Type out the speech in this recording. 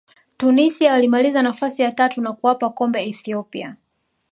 tunisia walimaliza nafasi ya tatu na kuwapa komba ethiopia